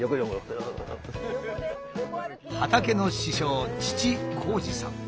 畑の師匠父・紘二さん。